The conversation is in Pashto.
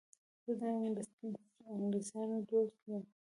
زه د انګلیسیانو دوست یم.